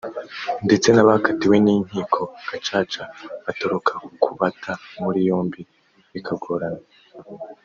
ndetse n’abakatiwe n’Inkiko Gacaca batoroka kubata muri yombi bikagorana